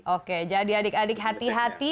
oke jadi adik adik hati hati